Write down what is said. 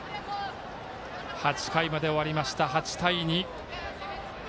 ８回まで終わりました、８対２。